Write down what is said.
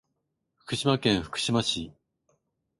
福島県福島市